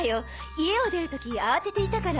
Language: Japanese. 家を出る時慌てていたから。